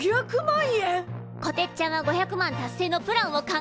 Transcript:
こてっちゃんは５００万達成のプランを考えて。